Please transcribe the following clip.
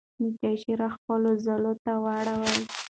مچۍ شیره خپلو ځالو ته وړي.